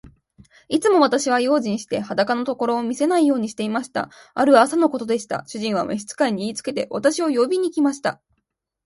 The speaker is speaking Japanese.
いつも私は用心して、裸のところを見せないようにしていました。ある朝のことでした。主人は召使に言いつけて、私を呼びに来ました。